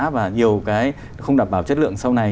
và nhiều cái không đảm bảo chất lượng sau này